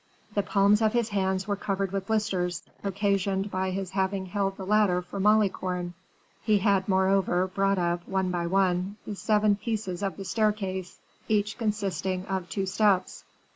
The palms of his hands were covered with blisters, occasioned by his having held the ladder for Malicorne. He had, moreover, brought up, one by one, the seven pieces of the staircase, each consisting of two steps.